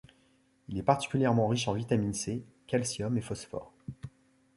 Il est particulièrement riche en vitamine C, calcium et phosphore.